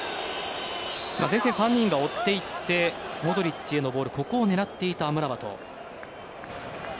前線３人が追っていってモドリッチへのボールを狙っていたアムラバト。